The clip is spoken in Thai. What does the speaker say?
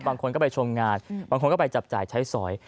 บางคนก็ไปชมงานบางคนก็ไปจับจ่ายใช้สอย